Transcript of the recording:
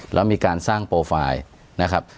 แล้วมีการสร้างโปรไฟล์นะครับ